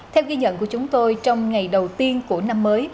theo ghi nhận của chúng tôi trong ngày đầu tiên của năm mới